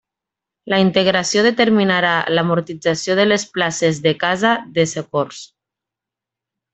La integració determinarà l'amortització de les places de Casa de Socors.